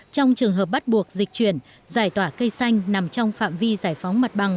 trong trường hợp bắt buộc dịch chuyển giải tỏa cây xanh nằm trong phạm vi giải phóng mặt bằng